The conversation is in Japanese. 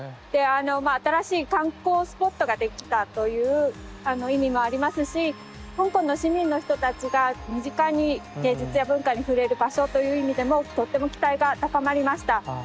であのまあ新しい観光スポットが出来たという意味もありますし香港の市民の人たちが身近に芸術や文化に触れる場所という意味でもとっても期待が高まりました。